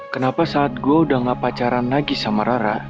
kenapa saat gue udah gak pacaran lagi sama rara